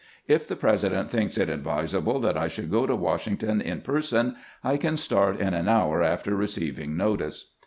If the President thinks it advi sable that I should go to Washington in person, I can start in an hour after receiving notice."